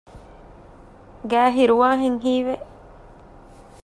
ގައި ހިރުވާހެން ހީވެ